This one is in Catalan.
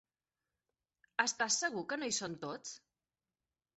Estàs segur que no hi són tots?